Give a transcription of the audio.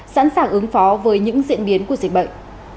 sẵn sàng ứng phó với những diễn biến của dịch bệnh